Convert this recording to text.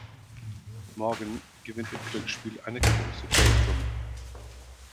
Morgan gewinnt im Glücksspiel eine große Geldsumme.